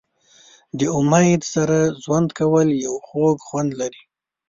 د امید سره ژوند کول یو خوږ خوند لري.